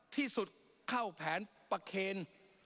ที่สุดเข้าแผนประเคน